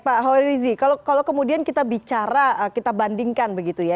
pak hoirizi kalau kemudian kita bicara kita bandingkan begitu ya